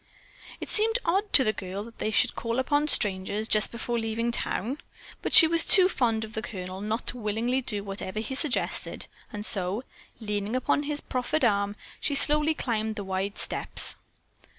It seemed odd to the girl that they should call upon strangers just before leaving town, but she was too fond of the Colonel not to willingly do whatever he suggested, and so, leaning upon his proffered arm, she slowly climbed the wide steps.